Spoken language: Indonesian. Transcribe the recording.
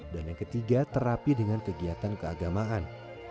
dan yang ketiga terapi dengan kegiatan keagamaan